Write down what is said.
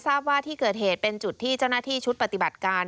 ทราบว่าที่เกิดเหตุเป็นจุดที่เจ้าหน้าที่ชุดปฏิบัติการ